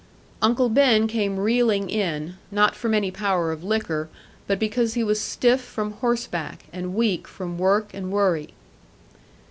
Uncle Ben came reeling in, not from any power of liquor, but because he was stiff from horseback, and weak from work and worry.